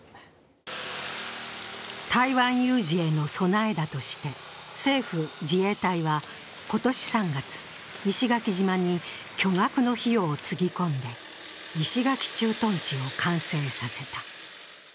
台湾有事への備えだとして、政府・自衛隊は今年３月、石垣島に巨額の費用を注ぎ込んで石垣駐屯地を完成させた。